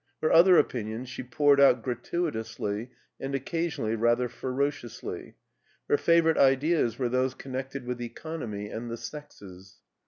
Her other opinions she poured out gratuitously and occasionally rather ferociously. Her favorite ideas were those connected with economy and the sexes.